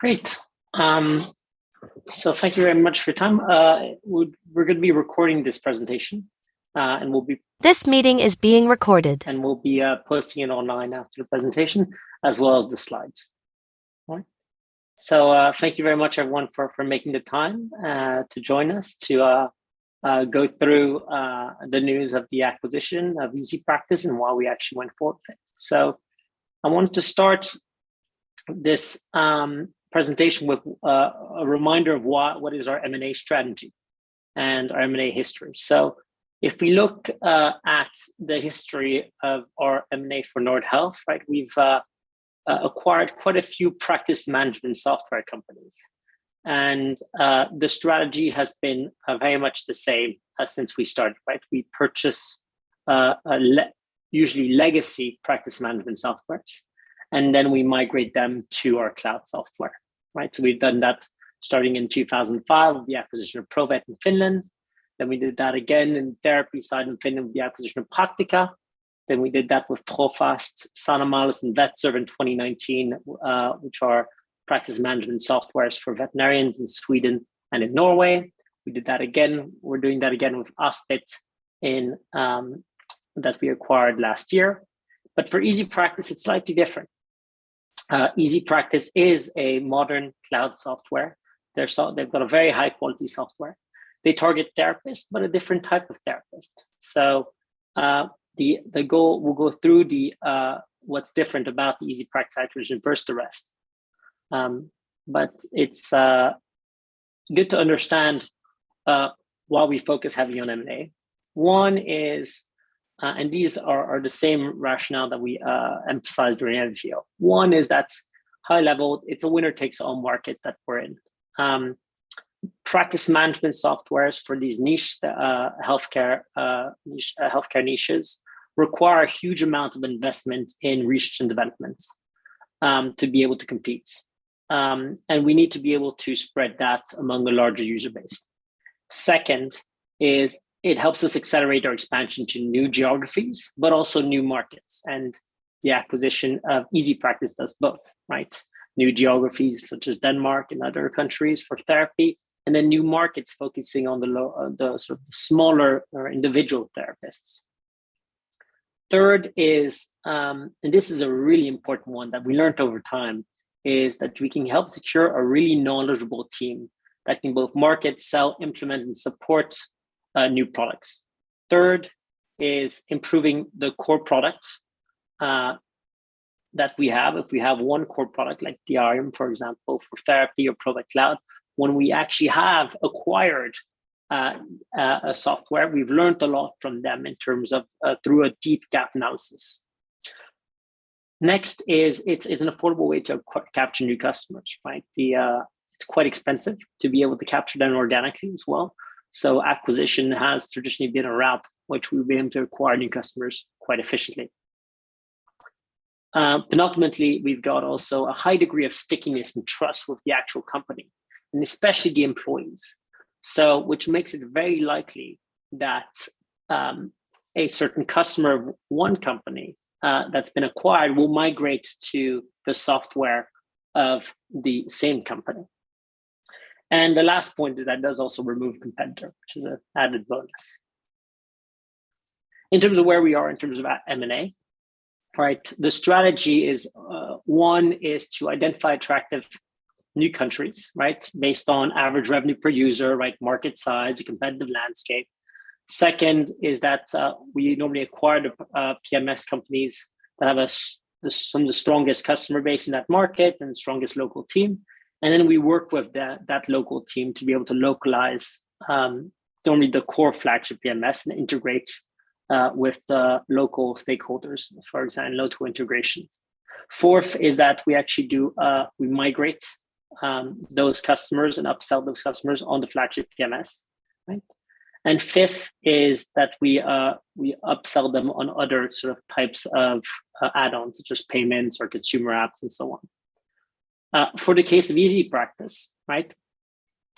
Great. Thank you very much for your time. We're gonna be recording this presentation, and we'll be posting it online after the presentation as well as the slides. All right? Thank you very much everyone for making the time to join us to go through the news of the acquisition of EasyPractice and why we actually went forward with it. I wanted to start this presentation with a reminder of what is our M&A strategy and our M&A history. If we look at the history of our M&A for Nordhealth, right? We've acquired quite a few practice management software companies, and the strategy has been very much the same since we started, right? We purchase usually legacy practice management software, and then we migrate them to our cloud software, right? We've done that starting in 2005 with the acquisition of Provet in Finland, then we did that again in therapy side in Finland with the acquisition of Praktika, then we did that with Trofast, Sanimalis and Vetserve in 2019, which are practice management software for veterinarians in Sweden and in Norway. We're doing that again with Aspit that we acquired last year. For EasyPractice, it's slightly different. EasyPractice is a modern cloud software. They've got a very high quality software. They target therapists, but a different type of therapist. We'll go through what's different about the EasyPractice acquisition versus the rest. It's good to understand why we focus heavily on M&A. One is, and these are the same rationale that we emphasized during the IPO. One is that high level, it's a winner takes all market that we're in. Practice management software for these niche healthcare niches require a huge amount of investment in research and development to be able to compete. And we need to be able to spread that among a larger user base. Second is it helps us accelerate our expansion to new geographies, but also new markets, and the acquisition of EasyPractice does both, right? New geographies such as Denmark and other countries for therapy, and then new markets focusing on the sort of smaller or individual therapists. Third is, and this is a really important one that we learned over time, is that we can help secure a really knowledgeable team that can both market, sell, implement, and support new products. Third is improving the core product that we have. If we have one core product like Diarium, for example, for therapy or Provet Cloud, when we actually have acquired a software, we've learned a lot from them in terms of through a deep dive analysis. Next is it's an affordable way to capture new customers, right? It's quite expensive to be able to capture them organically as well. Acquisition has traditionally been a route which we've been able to acquire new customers quite efficiently. Penultimately, we've got also a high degree of stickiness and trust with the actual company, and especially the employees, so which makes it very likely that a certain customer of one company that's been acquired will migrate to the software of the same company. The last point is that does also remove competitor, which is an added bonus. In terms of where we are in terms of M&A, right? The strategy is one is to identify attractive new countries, right? Based on average revenue per user, right? Market size, competitive landscape. Second is that we normally acquire the PMS companies that have some of the strongest customer base in that market and the strongest local team, and then we work with that local team to be able to localize normally the core flagship PMS and integrates with the local stakeholders, for example, local integrations. Fourth is that we actually do migrate those customers and upsell those customers on the flagship PMS, right? Fifth is that we upsell them on other sort of types of add-ons, such as payments or consumer apps and so on. For the case of EasyPractice, right?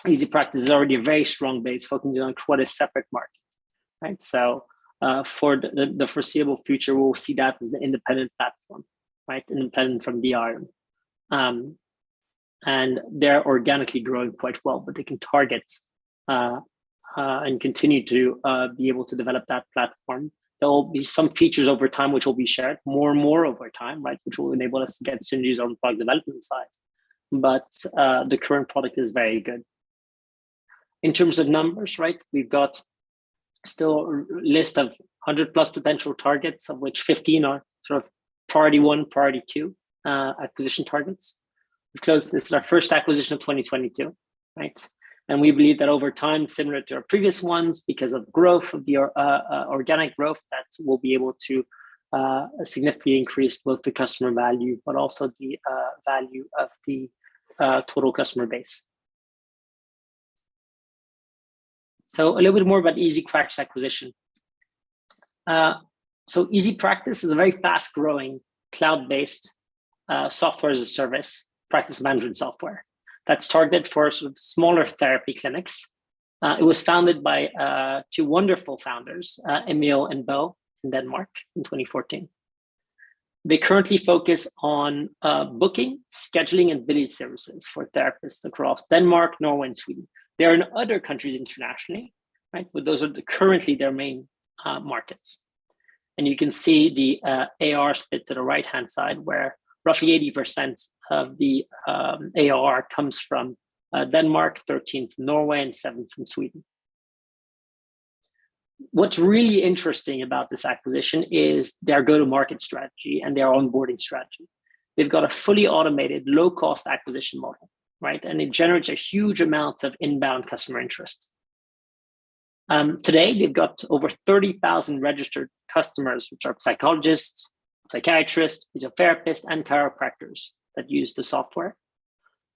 EasyPractice is already a very strong base focusing on quite a separate market, right? For the foreseeable future, we'll see that as an independent platform, right? Independent from DR. They're organically growing quite well, but they can target and continue to be able to develop that platform. There will be some features over time which will be shared more and more over time, right? Which will enable us to get synergies on product development side. The current product is very good. In terms of numbers, right? We've got still list of 100+ potential targets, of which 15 are sort of priority 1, priority 2, acquisition targets. We've closed this, our first acquisition of 2022, right? We believe that over time, similar to our previous ones, because of growth of organic growth, that we'll be able to significantly increase both the customer value but also the value of the total customer base. A little bit more about EasyPractice acquisition. EasyPractice is a very fast growing cloud-based software-as-a-service practice management software that's targeted for sort of smaller therapy clinics. It was founded by two wonderful founders, Emil and Bo in Denmark in 2014. They currently focus on booking, scheduling, and billing services for therapists across Denmark, Norway, and Sweden. They are in other countries internationally, right? Those are currently their main markets. You can see the ARR split to the right-hand side, where roughly 80% of the ARR comes from Denmark, 13% from Norway and 7% from Sweden. What's really interesting about this acquisition is their go-to-market strategy and their onboarding strategy. They've got a fully automated low-cost acquisition model, right? It generates a huge amount of inbound customer interest. Today, they've got over 30,000 registered customers, which are psychologists, psychiatrists, physiotherapists, and chiropractors that use the software,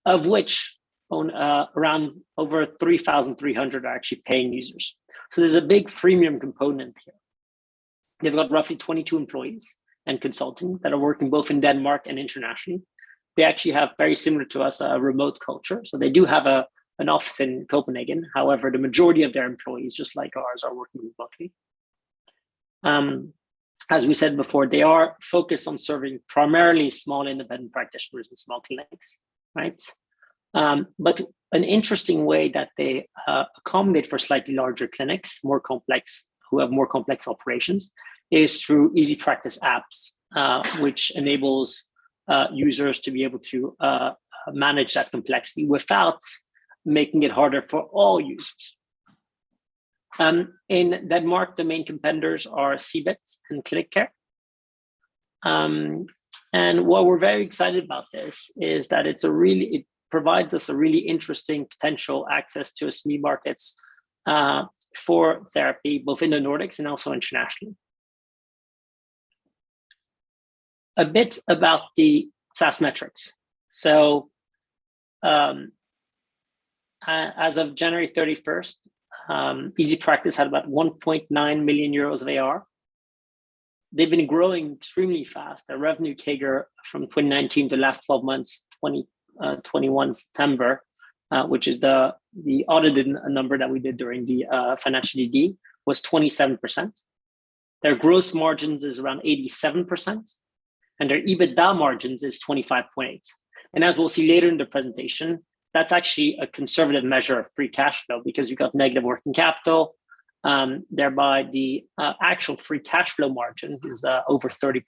of which around over 3,300 are actually paying users. There's a big freemium component here. They've got roughly 22 employees and consultants that are working both in Denmark and internationally. They actually have, very similar to us, a remote culture. They do have an office in Copenhagen. However, the majority of their employees, just like ours, are working remotely. As we said before, they are focused on serving primarily small independent practitioners and small clinics, right? An interesting way that they accommodate for slightly larger clinics who have more complex operations is through EasyPractice apps, which enables users to be able to manage that complexity without making it harder for all users. In Denmark, the main competitors are CBET and ClickCare. What we're very excited about this is that it provides us a really interesting potential access to SME markets for therapy, both in the Nordics and also internationally. A bit about the SaaS metrics. As of January 31, EasyPractice had about 1.9 million euros of ARR. They've been growing extremely fast. Their revenue CAGR from 2019 to last twelve months, 2021 September, which is the audited number that we did during the financial DD, was 27%. Their gross margins is around 87%, and their EBITDA margins is 25.8%. As we'll see later in the presentation, that's actually a conservative measure of free cash flow because you've got negative working capital. The actual free cash flow margin is over 30%.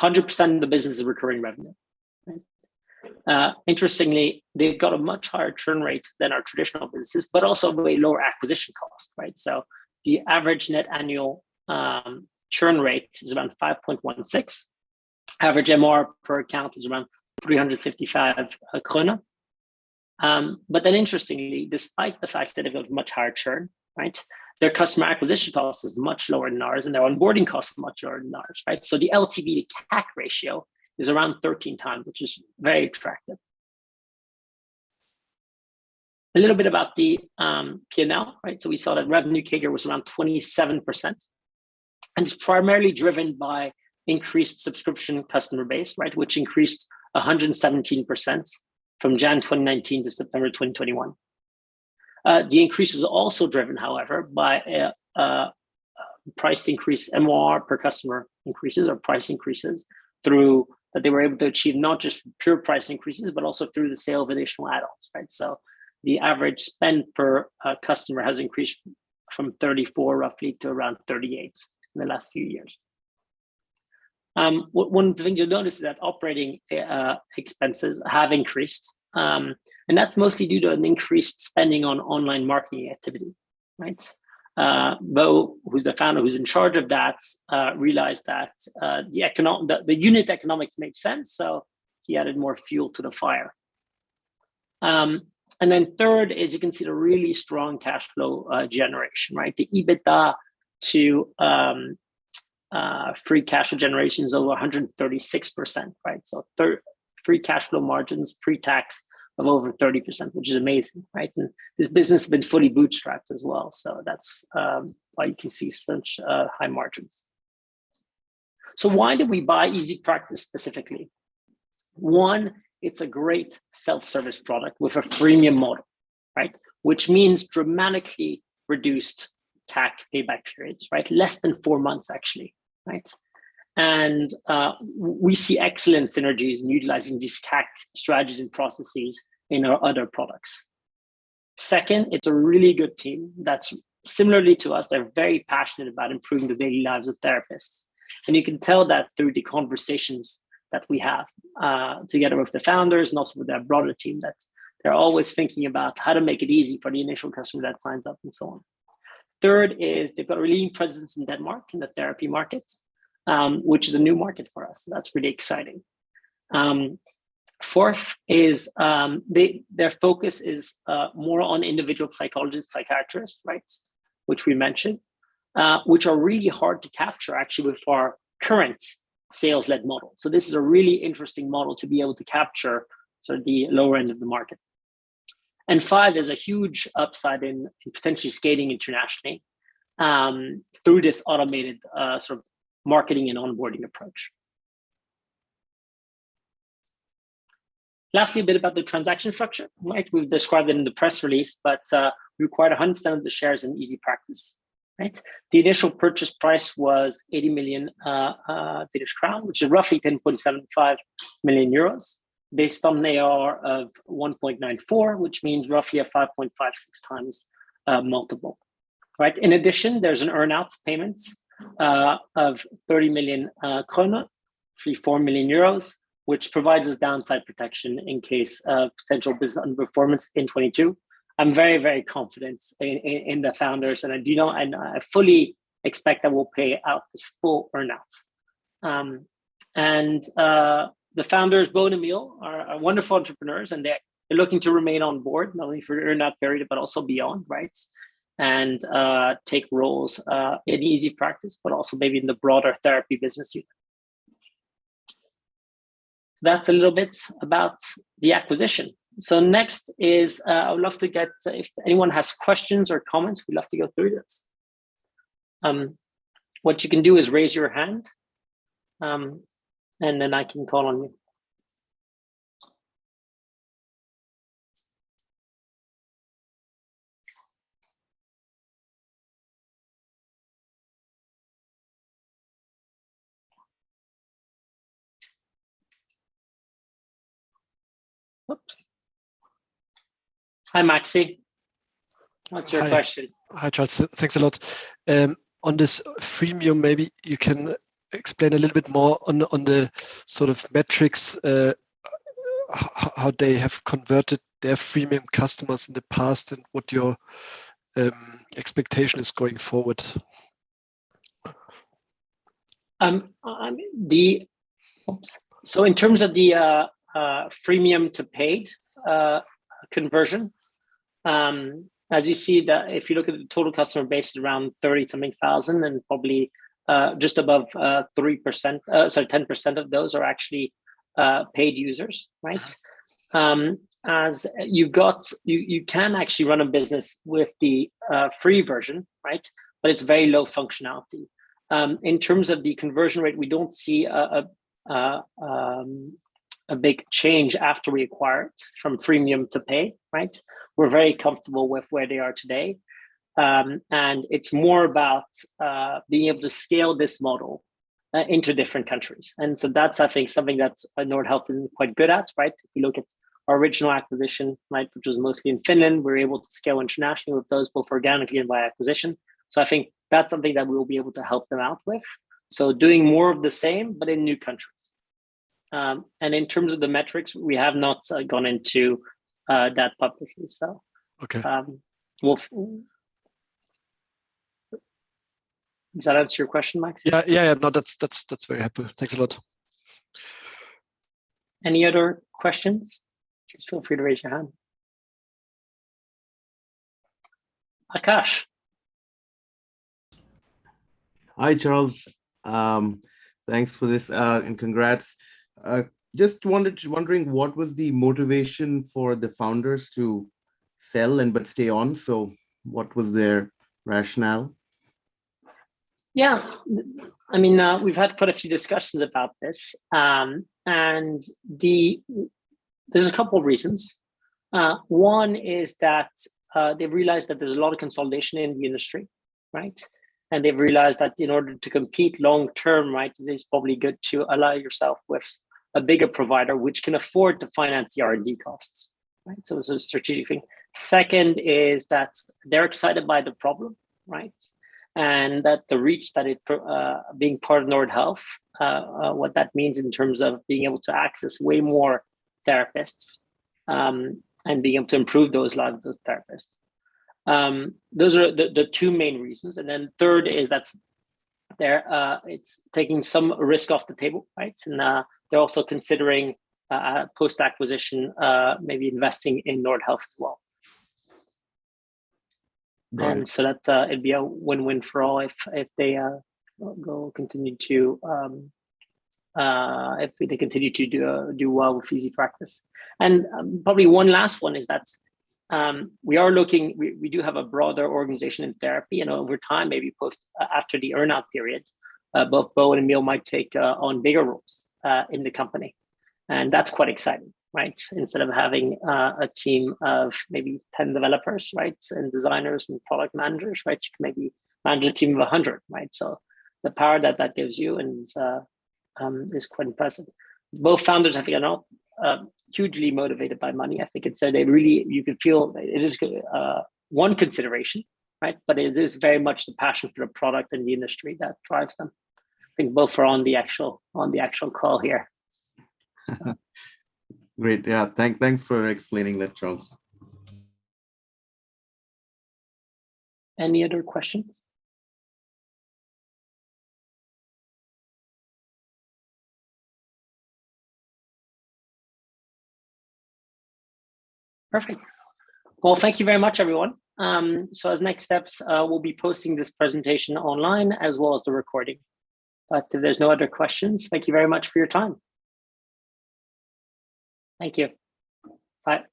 100% of the business is recurring revenue. Right? Interestingly, they've got a much higher churn rate than our traditional businesses, but also way lower acquisition cost, right? The average net annual churn rate is around 5.16%. Average MRR per account is around 355 krone. Interestingly, despite the fact that they've got a much higher churn, right? Their customer acquisition cost is much lower than ours, and their onboarding cost is much lower than ours, right? The LTV to CAC ratio is around 13x, which is very attractive. A little bit about the P&L, right? We saw that revenue CAGR was around 27%, and it's primarily driven by increased subscription customer base, right? Which increased 117% from January 2019 to September 2021. The increase is also driven, however, by a price increase, MRR per customer increases or price increases. They were able to achieve not just pure price increases, but also through the sale of additional add-ons, right? So the average spend per customer has increased from roughly EUR 34 to around 38 in the last few years. One thing you'll notice is that operating expenses have increased, and that's mostly due to an increased spending on online marketing activity, right? Bo, who's the founder who is in charge of that, realized that the unit economics made sense, so he added more fuel to the fire. Third is you can see the really strong cash flow generation, right? The EBITDA to free cash flow generation is over 136%, right? Free cash flow margins, pre-tax of over 30%, which is amazing, right? This business has been fully bootstrapped as well. That's why you can see such high margins. Why did we buy EasyPractice specifically? One, it's a great self-service product with a freemium model, right? Which means dramatically reduced CAC payback periods, right? Less than 4 months, actually, right? We see excellent synergies in utilizing these CAC strategies and processes in our other products. Second, it's a really good team that's similarly to us, they're very passionate about improving the daily lives of therapists. You can tell that through the conversations that we have together with the founders and also with their broader team, that they're always thinking about how to make it easy for the initial customer that signs up and so on. Third is they've got a leading presence in Denmark, in the therapy markets, which is a new market for us. That's really exciting. Fourth is their focus is more on individual psychologists, psychiatrists, right? Which we mentioned, which are really hard to capture actually with our current sales-led model. So this is a really interesting model to be able to capture sort of the lower end of the market. Five, there's a huge upside in potentially scaling internationally through this automated sort of marketing and onboarding approach. Lastly, a bit about the transaction structure, right? We've described it in the press release, but we acquired 100% of the shares in EasyPractice, right? The initial purchase price was 80 million crown, which is roughly 10.75 million euros based on the AR of 1.94, which means roughly a 5.56x multiple, right? In addition, there's an earn-out payments of 30 million krone, 3-4 million euros, which provides us downside protection in case of potential business underperformance in 2022. I'm very confident in the founders, and I do know, and I fully expect that we'll pay out this full earn-out. The founders, Bo and Emil, are wonderful entrepreneurs, and they're looking to remain on board not only for the earn-out period but also beyond, right, and take roles in EasyPractice but also maybe in the broader therapy business unit. That's a little bit about the acquisition. Next is, I would love to get... If anyone has questions or comments, we'd love to go through this. What you can do is raise your hand, and then I can call on you. Whoops. Hi, Maxi. Hi. What's your question? Hi, Charles. Thanks a lot. On this freemium, maybe you can explain a little bit more on the sort of metrics, how they have converted their freemium customers in the past and what your expectation is going forward. In terms of the freemium to paid conversion, as you see, if you look at the total customer base is around 30-something thousand and probably just above 3%, sorry, 10% of those are actually paid users, right? You can actually run a business with the free version, right? It's very low functionality. In terms of the conversion rate, we don't see a big change after we acquire it from freemium to pay, right? We're very comfortable with where they are today. It's more about being able to scale this model into different countries, and that's, I think, something that Nordhealth is quite good at, right? If you look at our original acquisition, right, which was mostly in Finland, we were able to scale internationally with those both organically and by acquisition. I think that's something that we'll be able to help them out with, so doing more of the same but in new countries. In terms of the metrics, we have not gone into that publicly. Okay Does that answer your question, Maxi? Yeah, yeah. No, that's very helpful. Thanks a lot. Any other questions? Please feel free to raise your hand. Akash? Hi, Charles. Thanks for this, and congrats. Just wondering what was the motivation for the founders to sell and but stay on. What was their rationale? Yeah. I mean, we've had quite a few discussions about this. There's a couple reasons. One is that they've realized that there's a lot of consolidation in the industry, right? They've realized that in order to compete long term, right, it is probably good to ally yourself with a bigger provider which can afford to finance the R&D costs, right? A strategic thing. Second is that they're excited by the problem, right, and that the reach that it, being part of Nordhealth, what that means in terms of being able to access way more therapists, and being able to improve those, a lot of those therapists. Those are the two main reasons. Then 3rd is that they're, it's taking some risk off the table, right? They're also considering, post-acquisition, maybe investing in Nordhealth as well. Right. It'd be a win-win for all if they continue to do well with EasyPractice. Probably one last one is that we do have a broader organization in therapy, and over time, maybe after the earn-out period, both Bo and Emil might take on bigger roles in the company, and that's quite exciting, right? Instead of having a team of maybe 10 developers, right, and designers and product managers, right, you can maybe manage a team of 100, right? The power that gives you is quite impressive. Both founders, I think, are not hugely motivated by money, I think, and so they really, you could feel it is one consideration, right, but it is very much the passion for the product and the industry that drives them. I think both are on the actual call here. Great. Yeah. Thanks for explaining that, Charles. Any other questions? Perfect. Well, thank you very much, everyone. So as next steps, we'll be posting this presentation online as well as the recording. If there's no other questions, thank you very much for your time. Thank you. Bye.